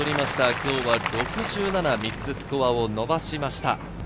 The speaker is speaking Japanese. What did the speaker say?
今日は３つスコアを伸ばしました。